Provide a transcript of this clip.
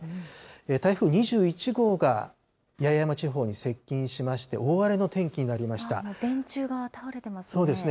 台風２１号が八重山地方に接近しまして、大荒れの天気になりまし電柱が倒れていますね。